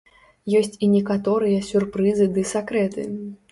Ёсць і некаторыя сюрпрызы ды сакрэты.